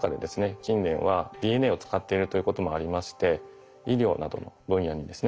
近年はＤＮＡを使っているということもありまして医療などの分野にですね